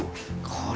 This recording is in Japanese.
これ。